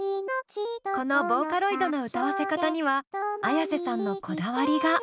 このボーカロイドの歌わせ方にはＡｙａｓｅさんのこだわりが。